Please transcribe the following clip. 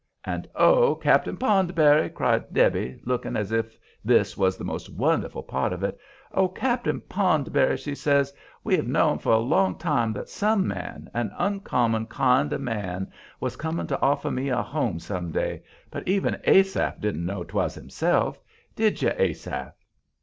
"And, oh, Cap'n Poundberry!" cried Debby, looking as if this was the most wonderful part of it "oh, Cap'n Poundberry!" she says, "we've known for a long time that some man an uncommon kind of man was coming to offer me a home some day, but even Asaph didn't know 'twas himself; did you, Asaph?"